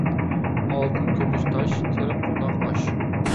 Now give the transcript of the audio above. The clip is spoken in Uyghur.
ئالتۇن كۈمۈش تاش، تېرىق قوناق ئاش.